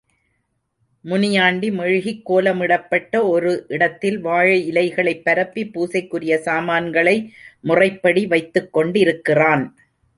முனியாண்டி மெழுகிக் கோலமிடப்பட்ட ஒரு இடத்தில் வாழை இலைகளைப்பரப்பி பூசைக்குரிய சாமான்களை முறைப்படி வைத்துக்கொண்டிருக்கிறான்.